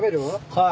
はい。